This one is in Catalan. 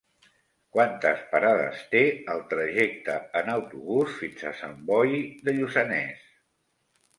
Quantes parades té el trajecte en autobús fins a Sant Boi de Lluçanès?